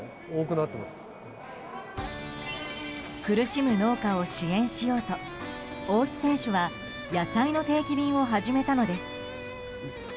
苦しむ農家を支援しようと大津選手は野菜の定期便を始めたのです。